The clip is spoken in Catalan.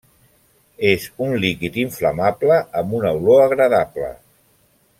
És un líquid inflamable amb una olor agradable.